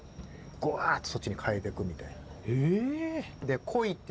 ぐわっとそっちに変えていくみたいな。